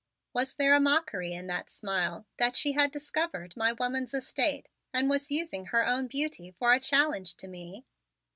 Was there a mockery in that smile, that she had discovered my woman's estate and was using her own beauty for a challenge to me?